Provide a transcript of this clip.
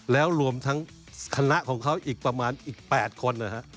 แล้วรวมทั้งคณะของเขาอีกประมาณอีก๘คน